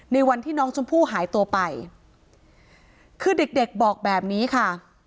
วันที่น้องชมพู่หายตัวไปคือเด็กเด็กบอกแบบนี้ค่ะ